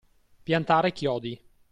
Piantare chiodi.